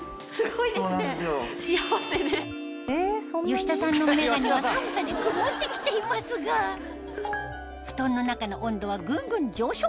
吉田さんの眼鏡は寒さで曇って来ていますが布団の中の温度はぐんぐん上昇